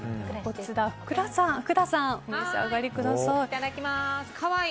福田さんお召し上がりください。